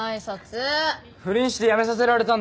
不倫して辞めさせられたんだろ？